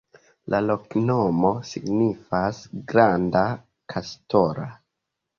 La loknomo signifas: granda-kastora.